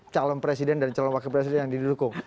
calon presiden dan calon wakil presiden yang didukung